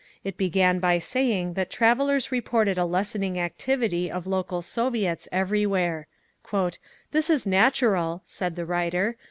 It began by saying that travellers reported a lessening activity of local Soviets everywhere. "This is natural," said the writer.